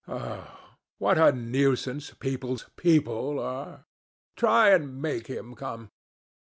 "Ah! what a nuisance people's people are! Try and make him come.